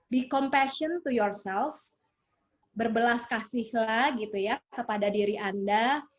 be compassion to yourself berbelas kasihlah kepada diri anda